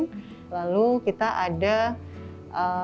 terus kemudian kemudian kemudian kemudian kemudian